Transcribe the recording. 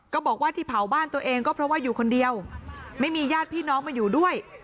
ก็บอกว่าที่เผาบ้านตัวเองก็เพราะว่าอยู่คนเดียวไม่มีญาติพี่น้องมาอยู่ด้วย